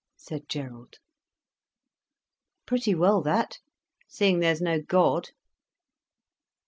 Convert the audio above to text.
said Gerald. "Pretty well that—seeing there's no God."